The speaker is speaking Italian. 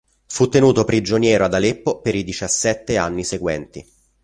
Fu tenuto prigioniero ad Aleppo per i diciassette anni seguenti.